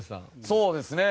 そうですね。